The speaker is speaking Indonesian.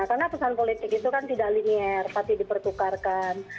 karena pesan politik itu kan tidak linier tapi dipertukarkan